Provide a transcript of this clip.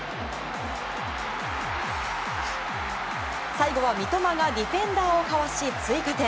最後は、三笘がディフェンダーを交わし追加点。